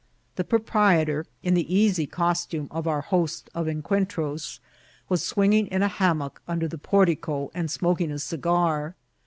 The proprietor, in th^ easy costume of our host of Encuentros, was swinging in a hammock under the portico, and smoking a cigar.